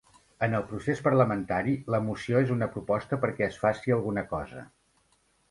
En el procés parlamentari, la moció és una proposta perquè es faci alguna cosa.